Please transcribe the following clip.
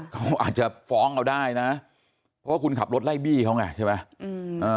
เขาอาจจะฟ้องเอาได้นะเพราะว่าคุณขับรถไล่บี้เขาไงใช่ไหม